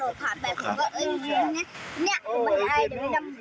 ก็เออจริงนี่มันมาข้างด้านล่าง